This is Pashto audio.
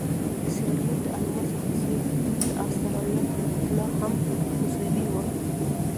د سیریلیون د الماسو په څېر د اسټرالیا طلا هم رسوبي وه.